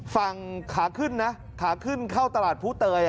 ฝั่งขาขึ้นนะขาขึ้นเข้าตลาดผู้เตย